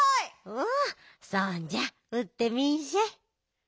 おおそんじゃうってみんしゃい。